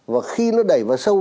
và khi nó đẩy vào sâu